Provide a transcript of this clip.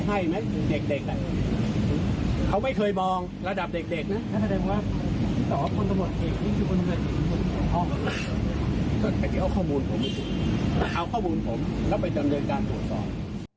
ที่ของเขาเหมือนกับผมเอาข้อมูลผมแล้วไปจำเป็นการสวนสอบ